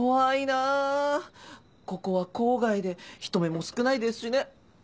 ここは郊外で人目も少ないですしね。